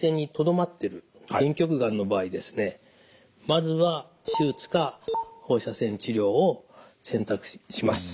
まずは手術か放射線治療を選択します。